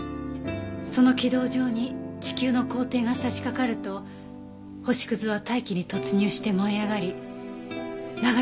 その軌道上に地球の公転が差しかかると星屑は大気に突入して燃え上がり流れ星が出現する。